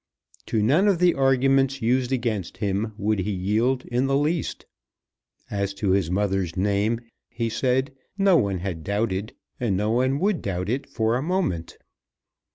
To none of the arguments used against him would he yield in the least. As to his mother's name, he said, no one had doubted, and no one would doubt it for a moment.